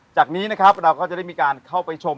จากนี้เราก็จะมีการเข้าไปชม